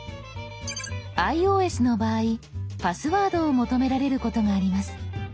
ｉＯＳの場合パスワードを求められることがあります。